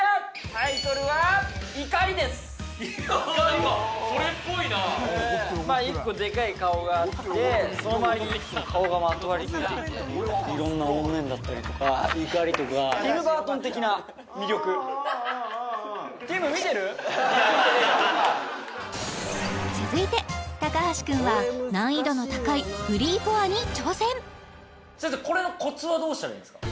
タイトルは「怒り」です・それっぽいな１個でかい顔があってその周りにいくつも顔がまとわりついてていろんな怨念だったりとか怒りとか続いて橋君は難易度の高いフリーポアに挑戦先生これのコツはどうしたらいいんですか？